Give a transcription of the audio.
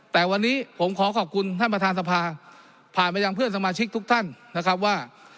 แต่วันนี้ผมขอขอบคุณท่านประธานสภาผ่านมายังเพื่อนสมาชิกทุกท่านนะครับว่า